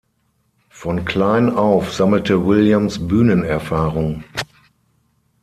Von klein auf sammelte Williams Bühnenerfahrung.